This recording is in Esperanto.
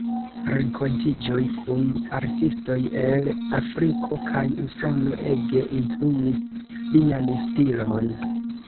Renkontiĝoj kun artistoj el Afriko kaj Usono ege influis lian stilon.